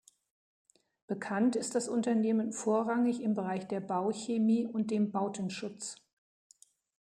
Bekannt ist das Unternehmen vorrangig im Bereich der Bauchemie und dem Bautenschutz.